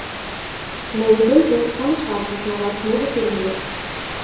На іх думку, самы час заснаваць новы турнір.